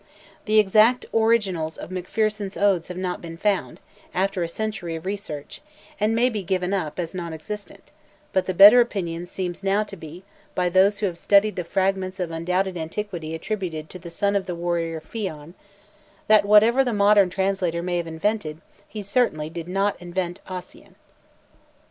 The exact originals of MacPherson's odes have not been found, after a century of research, and may be given up, as non existent; but the better opinion seems now to be, by those who have studied the fragments of undoubted antiquity attributed to the son of the warrior Fion, that whatever the modern translator may have invented, he certainly did not invent Ossian.